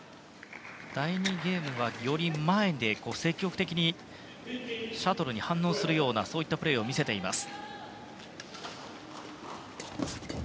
第２ゲームはより前で積極的にシャトルに反応するようなプレーを見せています。